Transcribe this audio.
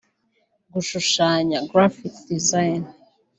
gushushanya (Graphic Design)